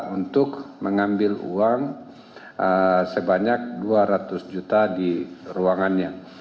untuk mengambil uang sebanyak dua ratus juta di ruangannya